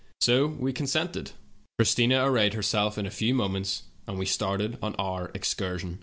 "So we consented. Christina arrayed herself in a few moments, and we started on our excursion.